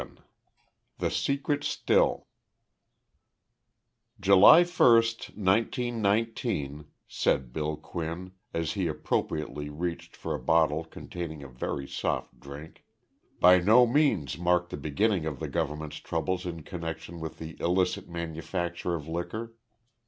VII THE SECRET STILL "July 1, 1919," said Bill Quinn, as he appropriately reached for a bottle containing a very soft drink, "by no means marked the beginning of the government's troubles in connection with the illicit manufacture of liquor.